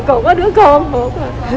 còn có đứa con một